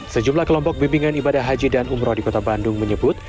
sejumlah kelompok bimbingan ibadah haji dan umroh di kota bandung menyebut